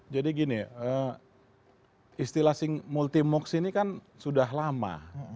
jadi gini istilah single multi moocs ini kan sudah lama